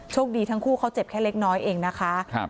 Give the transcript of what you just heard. คดีทั้งคู่เขาเจ็บแค่เล็กน้อยเองนะคะ